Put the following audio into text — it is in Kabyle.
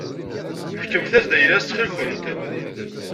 Fkemt-as-d ayla-as ttxil-kent.